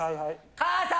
母さん。